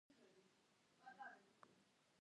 მთავარი ქალაქია კუა.